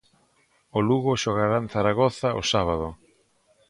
O Lugo xogará en Zaragoza o sábado.